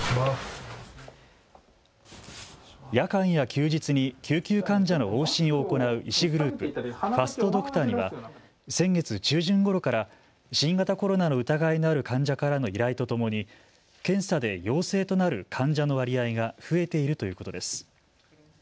夜間や休日に救急患者の往診を行う医師グループ、ファストドクターには先月中旬ごろから新型コロナの疑いのある患者からの依頼とともに検査で陽性となる患者の割合が増えているということです。